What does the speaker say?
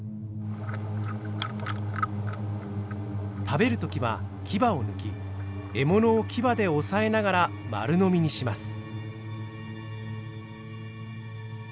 食べる時は牙を抜き獲物を牙で押さえながら丸飲みにします。